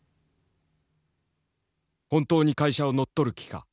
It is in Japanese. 「本当に会社を乗っ取る気か。